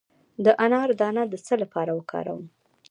د انار دانه د څه لپاره وکاروم؟